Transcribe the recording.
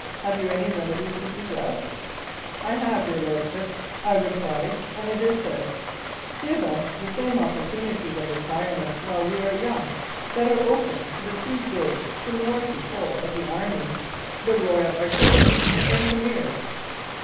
Have you any remedy to suggest ?" "I have, your Lordships," I replied, "and it is this : Give us the same opportunities of retirement while we are young that are open to the two big seniority corps of the Army 6s Mounted Police Life in Canada the Royal Artillery and Engineers."